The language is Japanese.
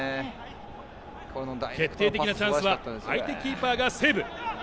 決定的なチャンスは相手キーパーがセーブ。